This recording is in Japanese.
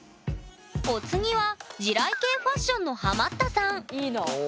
お次は地雷系ファッションのハマったさんいいな。